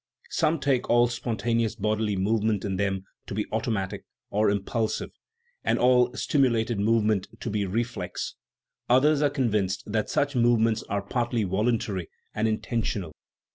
Some take all spontaneous bodily movement in them to be automatic, or impulsive, and all stimulated movement to be reflex; others are con vinced that such movements are partly voluntary and intentional.